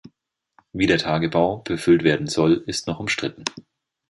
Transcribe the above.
Wie der Tagebau befüllt werden soll, ist noch umstritten.